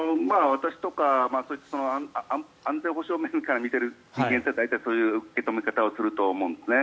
私とか、安全保障面から見ている人間からすると大体そういう受け止め方をすると思うんですね。